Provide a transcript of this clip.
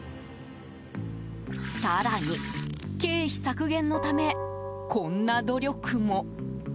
更に、経費削減のためこんな努力も。